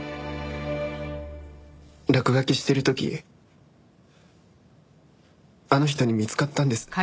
落書きしてる時あの人に見つかったんです。